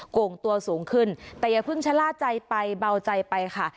โก่งตัวสูงขึ้นแต่อย่าเพิ่งชะล่าใจไปเบาใจไปค่ะ